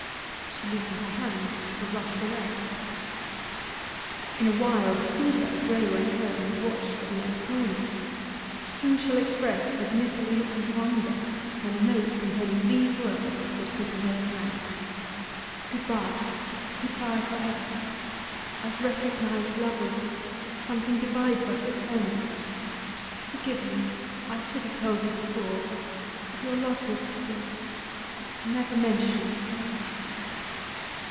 She loosened her hand and rushed away. In a wild fever Graye went home and watched for the next morning. Who shall express his misery and wonder when a note containing these words was put into his hand? 'Good bye; good bye for ever. As recognized lovers something divides us eternally. Forgive me I should have told you before; but your love was sweet! Never mention me.